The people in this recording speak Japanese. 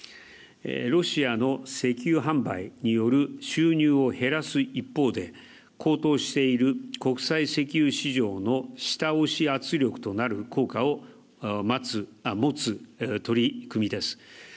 ロシアの石油販売による収入を減らす一方で、高騰している国際石油市場の下押し圧力となる効果を持つ取り組みです。